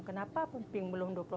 kenapa pemping belum dua puluh empat